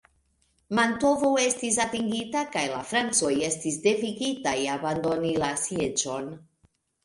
Mantovo estis atingita kaj la Francoj estis devigitaj abandoni la sieĝon.